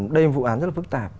đây là một vụ án rất là phức tạp